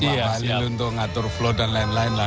ini untuk ngatur flow dan lain lain lah